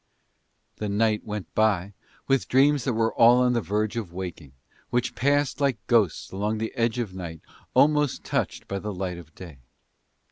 The night went by with dreams that were all on the verge of waking, which passed like ghosts along the edge of night almost touched by the light of day.